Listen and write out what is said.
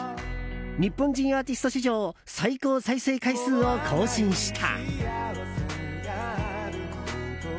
日本人アーティスト史上最高再生回数を更新した。